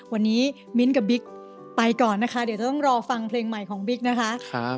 วันนี้มิ้นท์กับบิ๊กไปก่อนนะคะเดี๋ยวจะต้องรอฟังเพลงใหม่ของบิ๊กนะคะ